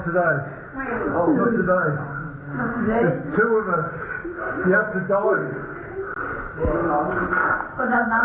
ถ้าอยู่กับเรามีแต่ดาย